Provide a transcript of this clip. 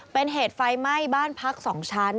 เป็นเหตุไฟไหม้บ้านพัก๒ชั้น